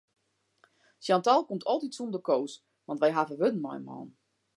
Chantal komt altyd sûnder Koos want wy hawwe wurden mei him hân.